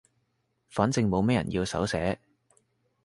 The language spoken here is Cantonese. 反正冇咩人要手寫